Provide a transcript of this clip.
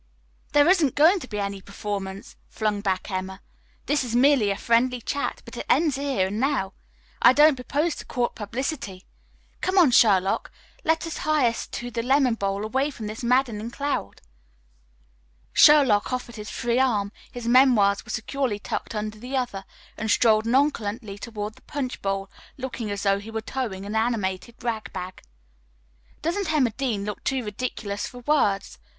"There isn't going to be any performance," flung back Emma. "This is merely a friendly chat, but it ends here and now. I don't propose to court publicity. Come on, Sherlock, let us hie us to the lemonade bowl away from this madding crowd." Sherlock offered his free arm his memoirs were securely tucked under the other and strolled nonchalantly toward the punch bowl, looking as though he were towing an animated rag bag. "Doesn't Emma Dean look too ridiculous for words?"